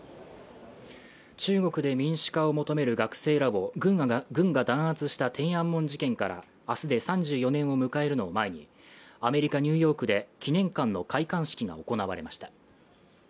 中国で民主化を求める学生ら軍が弾圧した天安門事件から明日で３４年を迎えるのを前に、アメリカ・ニューヨークで記念館の開館式が行われました。